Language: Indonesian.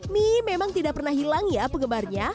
mie memang tidak pernah hilang ya penggemarnya